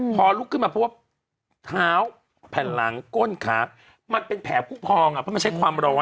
พอลุกขึ้นมาเพราะว่าเท้าแผ่นหลังก้นขามันเป็นแผลผู้พองเพราะมันใช้ความร้อน